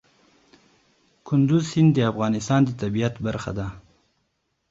کندز سیند د افغانستان د طبیعت برخه ده.